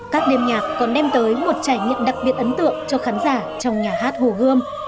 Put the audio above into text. các đêm nhạc còn đem tới một trải nghiệm đặc biệt ấn tượng cho khán giả trong nhà hát hồ gươm